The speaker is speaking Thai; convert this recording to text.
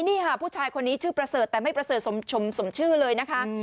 นี่ค่ะผู้ชายคนนี้ชื่อประเสริฐแต่ไม่ประเสริฐสมชื่อเลยนะคะ